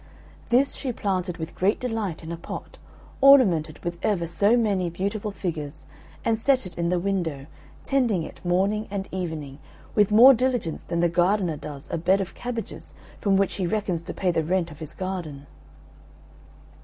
This she planted with great delight in a pot, ornamented with ever so many beautiful figures, and set it in the window, tending it morning and evening with more diligence than the gardener does a bed of cabbages from which he reckons to pay the rent of his garden.